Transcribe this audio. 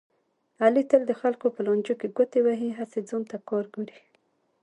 علي تل د خلکو په لانجو کې ګوتې وهي، هسې ځان ته کار ګوري.